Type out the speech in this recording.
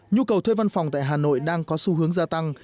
nhu cầu thuê văn phòng tại hà nội đang có xu hướng gia tăng